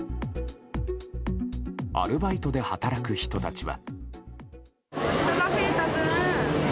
アルバイトで働く人たちは。